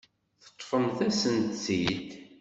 Teṭṭfemt-asen-tt-id.